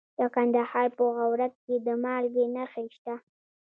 د کندهار په غورک کې د مالګې نښې شته.